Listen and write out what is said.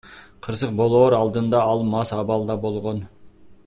Кырсык болоор алдында ал мас абалында болгон.